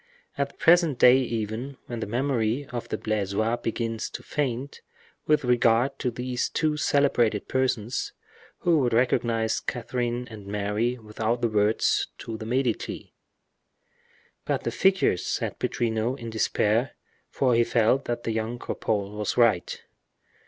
At the present day even, when the memory of the Blaisois begins to be faint with regard to these two celebrated persons, who would recognize Catherine and Mary without the words 'To the Medici'?" "But the figures?" said Pittrino, in despair; for he felt that young Cropole was right.